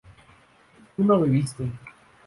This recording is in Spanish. tú no bebiste